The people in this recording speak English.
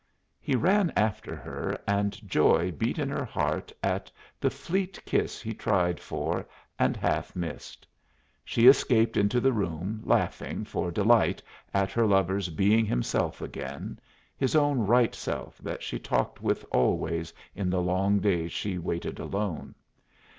He ran after her, and joy beat in her heart at the fleet kiss he tried for and half missed. She escaped into the room, laughing for delight at her lover's being himself again his own right self that she talked with always in the long days she waited alone.